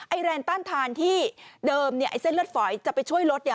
ไอ้แรงต้านทานที่เดิมไอ้เส้นเลือดฝอยจะไปช่วยลด